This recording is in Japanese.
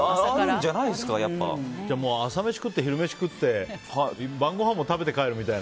じゃあ、朝飯食って昼飯食って晩ごはんも食べて帰るみたいな。